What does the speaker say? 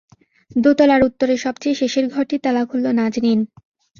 দোতলার উত্তরের সবচেয়ে শেষের ঘরটির তালা খুলল নাজনীন।